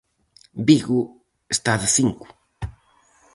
Vigo está de cinco.